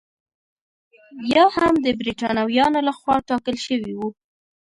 یا هم د برېټانویانو لخوا ټاکل شوي وو.